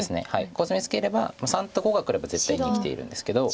コスミツケれば③と⑤がくれば絶対に生きているんですけど。